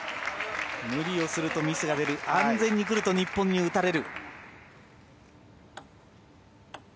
無理をするとミスが出る安全にすると日本に打たれる。